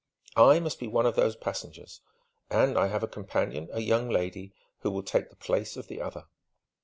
"I must be one of those passengers; and I have a companion, a young lady, who will take the place of the other."